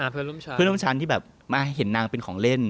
เพื่อนร่วมชั้นที่แบบมาเห็นนางเป็นของเล่น